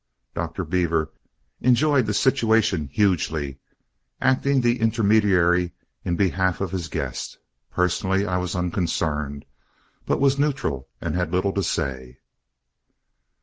Dr. Beaver enjoyed the situation hugely, acting the intermediary in behalf of his guest. Personally I was unconcerned, but was neutral and had little to say.